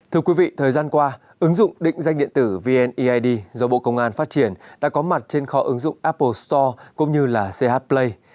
thưa quý vị thời gian qua ứng dụng định danh điện tử vneid do bộ công an phát triển đã có mặt trên kho ứng dụng apple store cũng như là ch play